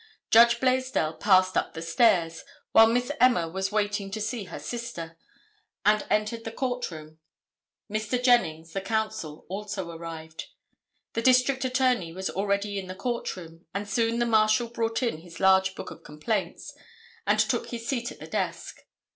Judge Blaisdell passed up the stairs, while Miss Emma was waiting to see her sister, and entered the court room. Mr. Jennings, the counsel, also arrived. The District Attorney was already in the court room, and soon the Marshal brought in his large book of complaints, and took his seat at the desk.